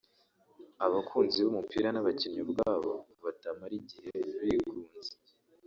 abakunzi b’umupira n’abakinnyi ubwabo batamara igihe bigunze